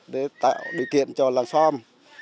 để tạo điều kiện cho làng xóm